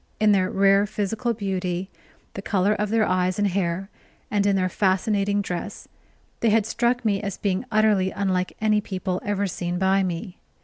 In their rare physical beauty, the color of their eyes and hair, and in their fascinating dress, they had struck me as being utterly unlike any people ever seen by me.